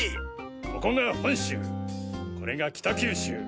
ここが本州これが北九州